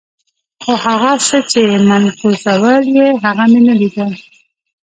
خو هغه څه چې منعکسول یې، هغه مې نه لیدل.